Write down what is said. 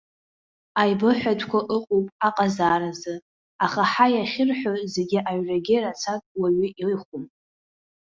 Аибыҳәатәқәа ыҟоуп аҟазааразы, аха ҳаи ахьырҳәо зегьы аҩрагьы рацәак уаҩы ихәом.